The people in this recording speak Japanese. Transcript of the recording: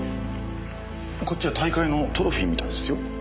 こっちは大会のトロフィーみたいですよ。